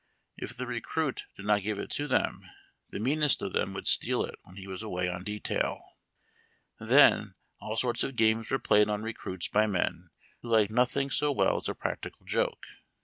If tlie recruit did not give it to them, the meanest of them would steal it when he was away on detail. Then, all sorts of games were played on recruits by men who liked nothing so well as a practical joke.